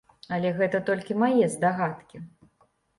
Але гэта толькі мае здагадкі.